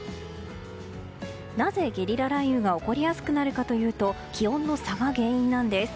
なぜゲリラ雷雨が起こりやすくなるかというと気温の差が原因なんです。